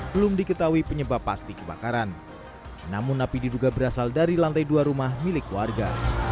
belum diketahui penyebab pasti kebakaran namun api diduga berasal dari lantai dua rumah milik warga